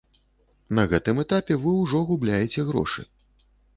На гэтым этапе вы ўжо губляеце грошы.